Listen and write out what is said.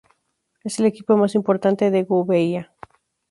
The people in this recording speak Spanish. Es el equipo más importante de Gouveia.